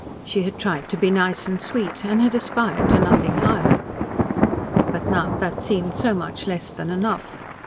She had tried to be nice and sweet and had aspired to nothing higher. But now that seemed so much less than enough.